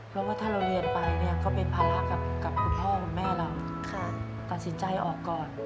เพราะว่าถ้าเราเรียนไปเนี่ยก็เป็นภาระกับคุณพ่อคุณแม่เราตัดสินใจออกก่อน